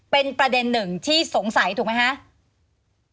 เป็นประเด็นหนึ่งที่สงสัยถูกไหมคะ